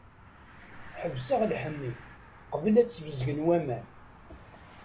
Ḥebseɣ lḥenni, qbel ad t-sbezgen waman.